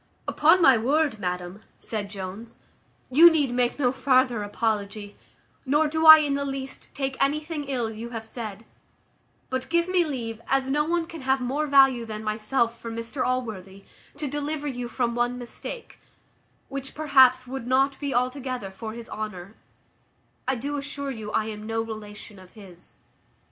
"Upon my word, madam," said Jones, "you need make no farther apology; nor do I in the least take anything ill you have said; but give me leave, as no one can have more value than myself for Mr Allworthy, to deliver you from one mistake, which, perhaps, would not be altogether for his honour; I do assure you, I am no relation of his."